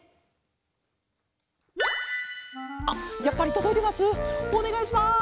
あっやっぱりとどいてます？